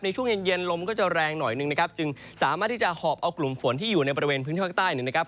ช่วงเย็นเย็นลมก็จะแรงหน่อยหนึ่งนะครับจึงสามารถที่จะหอบเอากลุ่มฝนที่อยู่ในบริเวณพื้นที่ภาคใต้เนี่ยนะครับ